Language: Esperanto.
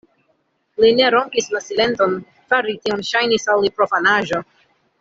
Li ne rompis la silenton; fari tion ŝajnis al li profanaĵo.